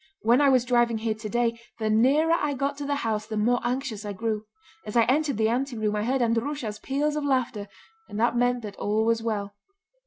When I was driving here today, the nearer I got to the house the more anxious I grew. As I entered the anteroom I heard Andrúsha's peals of laughter and that meant that all was well."